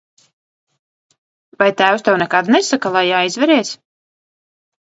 Vai tēvs tev nekad nesaka, lai aizveries?